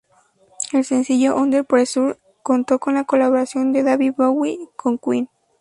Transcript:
El sencillo "Under Pressure" contó con la colaboración de David Bowie con Queen.